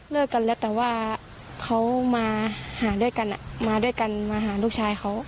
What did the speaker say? กันแล้วแต่ว่าเขามาหาด้วยกันมาด้วยกันมาหาลูกชายเขา